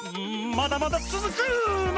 まだまだつづくの！